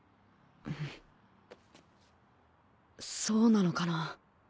そうなのかな。